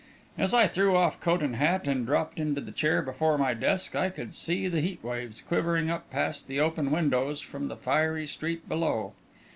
As I threw off coat and hat and dropped into the chair before my desk, I could see the heat waves quivering up past the open windows from the fiery street below.